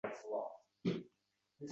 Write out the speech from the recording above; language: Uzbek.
Qashqadaryoda sohibkorlar tajriba almashdi